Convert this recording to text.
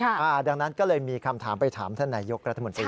ดังนั้นก็เลยมีคำถามไปถามท่านนายยกรัฐมนตรี